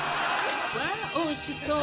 わぁおいしそう！